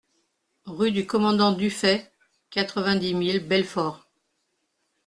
Rue du Commandant Dufay, quatre-vingt-dix mille Belfort